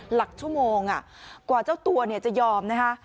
หลักชั่วโมงกว่าเจ้าตัวจะยอมนะคะ